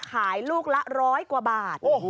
ขายลูกละร้อยกว่าบาท